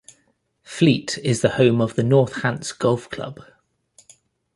Fleet is the home of the North Hants Golf Club.